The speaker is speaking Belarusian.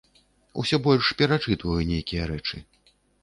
Усё больш перачытваю нейкія рэчы.